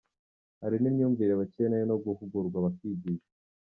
Hari n’imyumvire, bakeneye no guhugurwa bakigishwa.